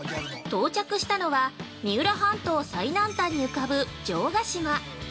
◆到着したのは、三浦半島最南端に浮かぶ「城ヶ島」。